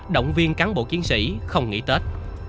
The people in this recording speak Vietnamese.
động viên cán bộ chiến sĩ không nghỉ tết